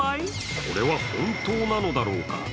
これは本当なのだろうか。